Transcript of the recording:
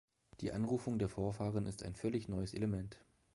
Die Anrufung der Vorfahren ist ein völlig neues Element.